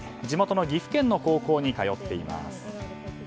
地元の岐阜県の高校に通っています。